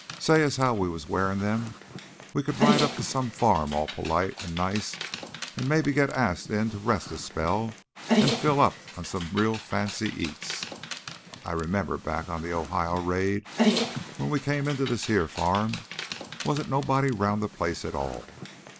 Say as how we was wearin' them we could ride up to some farm all polite an' nice an' maybe git asked in to rest a spell an' fill up on real fancy eats. I 'member back on the Ohio raid we came into this heah farm ... wasn't nobody round the place at all.